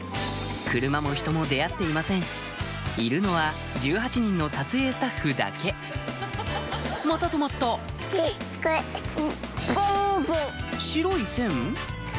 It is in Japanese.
車も人も出会っていませんいるのは１８人の撮影スタッフだけまた止まった白い線？